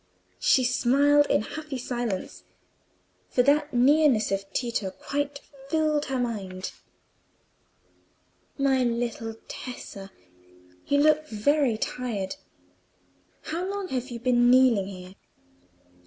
She smiled in happy silence, for that nearness of Tito quite filled her mind. "My little Tessa! you look very tired. How long have you been kneeling here?"